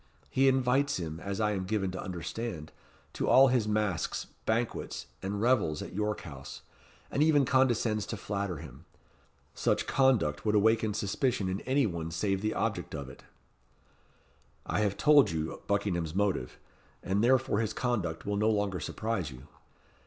He invites him, as I am given to understand, to all his masques, banquets, and revels at York House, and even condescends to flatter him. Such conduct would awaken suspicion in any one save the object of it." "I have told you Buckingham's motive, and therefore his conduct will no longer surprise you.